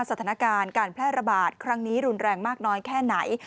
สถานการณ์การแพร่ระบาดครั้งนี้รุนแรงมากน้อยแค่ไหน